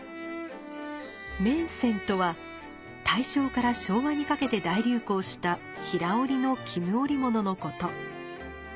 銘仙とは大正から昭和にかけて大流行した平織りの絹織物のこと。